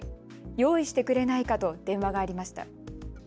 用意してくれないかと電話がありました。